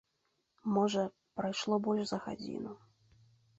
Можа, прайшло больш за гадзіну.